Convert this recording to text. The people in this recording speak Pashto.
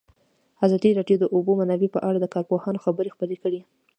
ازادي راډیو د د اوبو منابع په اړه د کارپوهانو خبرې خپرې کړي.